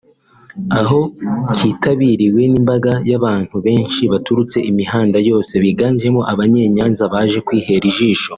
aho kitabiriwe n’imbaga y’abantu benshi baturutse imihanda yose bigajemo Abanyenyanza baje kwihera ijisho